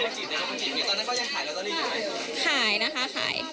พรีสต้องพรีสสิคะหนูสวยขนาดนี้